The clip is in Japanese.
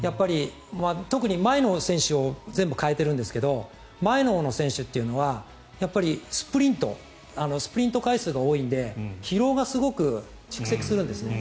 特に前の選手を全部代えてるんですが前のほうの選手というのはスプリント回数が多いので疲労がすごく蓄積するんですね。